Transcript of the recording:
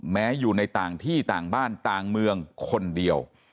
แม้อยู่ในต่างที่ต่างบ้านต่างเมืองคนเดียว